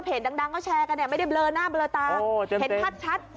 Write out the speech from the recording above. เพจดังก็แชร์กันไม่ได้เบือหน้าเห็นขัดชัด